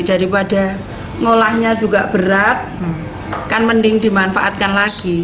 daripada ngolahnya juga berat kan mending dimanfaatkan lagi